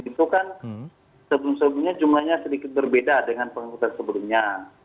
itu kan sebelum sebelumnya jumlahnya sedikit berbeda dengan pengangkutan sebelumnya